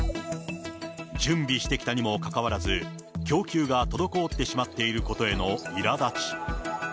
準備してきたにもかかわらず、供給が滞ってしまっていることへのいらだち。